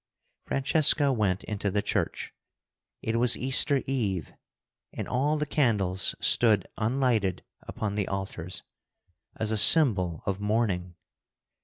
Francesca went into the church. It was Easter Eve, and all the candles stood unlighted upon the altars, as a symbol of mourning.